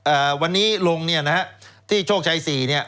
อ่าวันนี้ลงเนี่ยนะฮะที่โชคชัยสี่เนี้ย